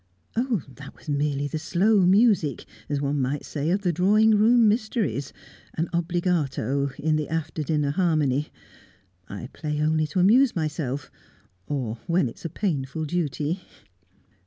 "Oh, that was merely the slow music, as one might say, of the drawing room mysteries an obligato in the after dinner harmony. I play only to amuse myself or when it is a painful duty."